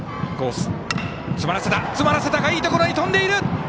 詰まらせたがいいところに飛んでいる！